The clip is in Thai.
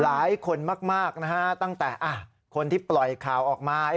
หลายคนมากนะฮะตั้งแต่คนที่ปล่อยข่าวออกมา